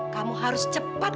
kamu harus cepat